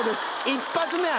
一発目は。